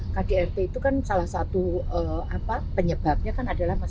kdrt itu kan salah satu penyebabnya kan adalah masalah